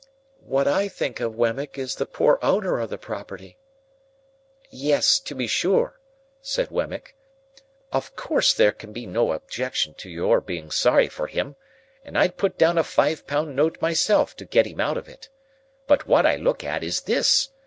"What I think of, Wemmick, is the poor owner of the property." "Yes, to be sure," said Wemmick. "Of course, there can be no objection to your being sorry for him, and I'd put down a five pound note myself to get him out of it. But what I look at is this.